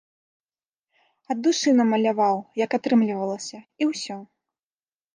Ад душы намаляваў, як атрымлівалася, і ўсё.